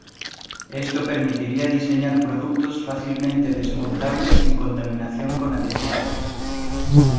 Esto permitiría diseñar productos fácilmente desmontables sin contaminación con adhesivos.